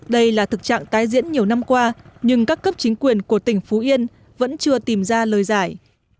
đây là thực trạng tái diễn nhiều năm qua nhưng các cấp chính quyền của tỉnh phú yên vẫn chưa tìm ra lời giải